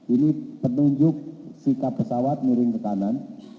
ini penunjuk sikap pesawat miring ke kanan